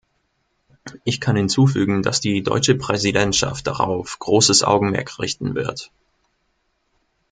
Ich kann hinzufügen, dass die deutsche Präsidentschaft darauf großes Augenmerk richten wird.